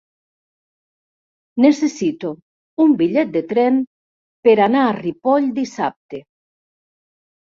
Necessito un bitllet de tren per anar a Ripoll dissabte.